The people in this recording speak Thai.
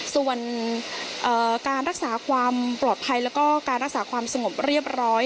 ส่วนการรักษาความปลอดภัยแล้วก็การรักษาความสงบเรียบร้อย